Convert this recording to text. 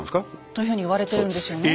というふうに言われてるんですよね。